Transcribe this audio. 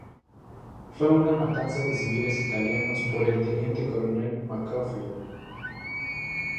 Fue una matanza de civiles italianos por el teniente coronel McCaffrey.